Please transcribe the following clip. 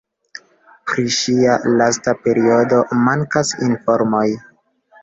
Pri ŝia lasta periodo mankas informoj.